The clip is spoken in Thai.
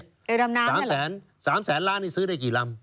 เรือดำน้ำใช่หรอ๓๐๐๐๐๐ล้านนี่ซื้อได้กี่ลำ